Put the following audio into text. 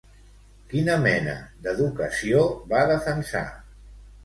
Quina mena d'educació va defensar?